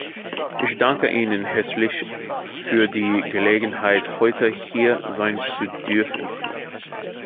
Ich danke Ihnen herzlich für die Gelegenheit, heute hier sein zu dürfen.